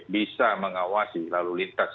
bisa mengawasi lalu lintas